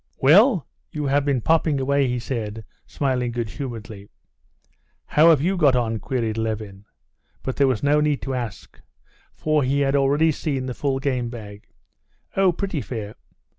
"Well? You have been popping away!" he said, smiling good humoredly. "How have you got on?" queried Levin. But there was no need to ask, for he had already seen the full game bag. "Oh, pretty fair."